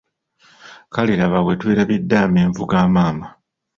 Kale laba bwe twerabidde amenvu ga maama.